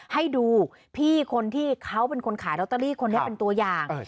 ให้ดูพี่คนที่เขาเป็นคนขายลอตเตอรี่คนนี้เป็นตัวอย่าง